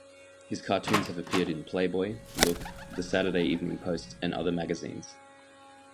His cartoons have appeared in "Playboy", "Look", "The Saturday Evening Post" and other magazines.